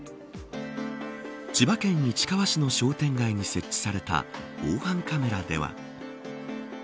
千葉県市川市の商店街に設置された防犯カメラでは。